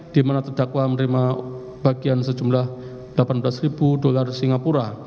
di mana terdakwa menerima bagian sejumlah delapan belas ribu dolar singapura